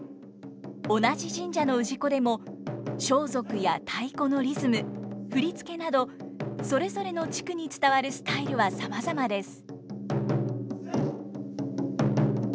同じ神社の氏子でも装束や太鼓のリズム振付などそれぞれの地区に伝わるスタイルはさまざまです。